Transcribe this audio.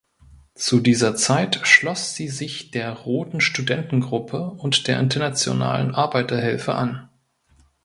Zu dieser Zeit schloss sie sich der „roten Studentengruppe“ und der Internationalen Arbeiterhilfe an.